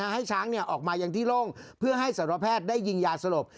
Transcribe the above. ให้ช้างออกมาอย่างที่โล่งเพื่อให้สารวแพทย์ได้ยิงยาสลบ